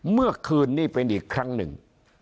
เมื่อคืนนี้เป็นอีกครั้งหนึ่ง